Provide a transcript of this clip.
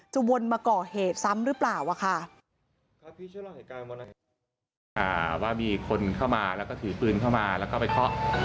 วนมาก่อเหตุซ้ำหรือเปล่าค่ะ